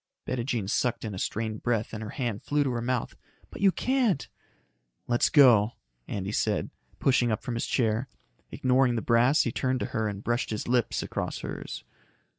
Bettijean sucked in a strained breath and her hand flew to her mouth. "But you can't " "Let's go," Andy said, pushing up from his chair. Ignoring the brass, he turned to her and brushed his lips across hers.